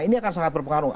ini akan sangat berpengaruh